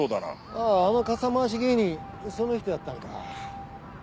あああの傘回し芸人その人やったんか。